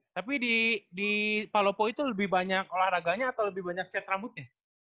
tapi di palopo itu lebih banyak olahraganya atau lebih banyak cat rambutnya